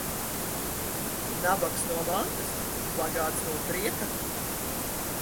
Nabags no mantas, bagāts no prieka.